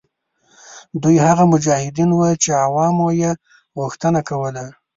دوی هغه مجاهدین وه چې عوامو یې غوښتنه کوله.